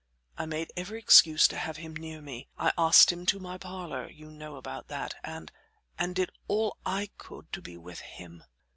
I made every excuse to have him near me; I asked him to my parlor you know about that and and did all I could to be with him.